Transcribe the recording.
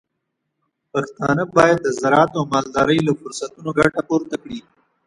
پښتانه بايد د زراعت او مالدارۍ له فرصتونو ګټه پورته کړي.